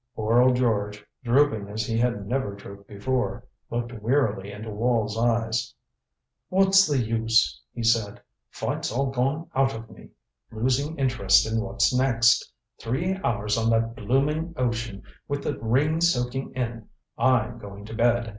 Poor old George, drooping as he had never drooped before, looked wearily into Wall's eyes. "What's the use?" he said. "Fight's all gone out of me. Losing interest in what's next. Three hours on that blooming ocean with the rain soaking in I'm going to bed.